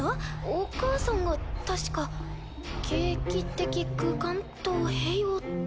お母さんが確か継起的空間と併用って。